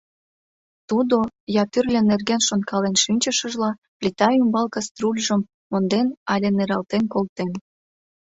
Тудо, я тӱрлӧ нерген шонкален шинчышыжла, плита ӱмбал каструльжым монден але нералтен колтен.